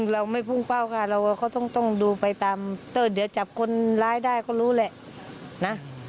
เราไม่พุ่งเป้าค่ะเราก็ต้องดูไปตามเดี๋ยวจับคนร้ายได้ก็รู้แหละนะ